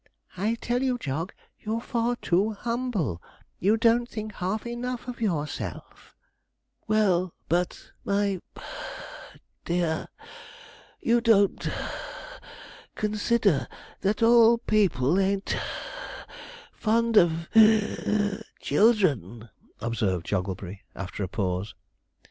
'I tell you, Jog, you're far too humble, you don't think half enough of yourself.' 'Well, but, my (puff) dear, you don't (puff) consider that all people ain't (puff) fond of (wheeze) children,' observed Jogglebury, after a pause.